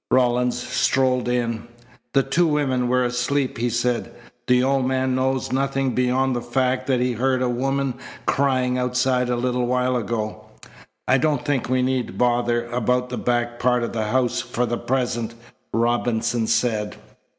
Rawlins strolled in. "The two women were asleep," he said. "The old man knows nothing beyond the fact that he heard a woman crying outside a little while ago." "I don't think we need bother about the back part of the house for the present," Robinson said.